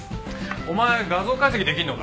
お前画像解析できるのか？